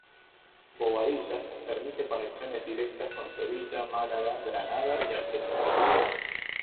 Bobadilla permite conexiones directas con Sevilla, Málaga, Granada y Algeciras.